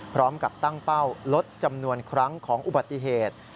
พร้อมกับตั้งเป้าลดจำนวนครั้งของอุบัติเหตุ